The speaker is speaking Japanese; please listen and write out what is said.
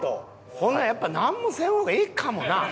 ほんならやっぱなんもせん方がええかもな。